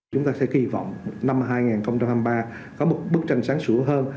chúng ta sẽ kỳ vọng năm hai nghìn hai mươi ba có một bức tranh sáng sủa hơn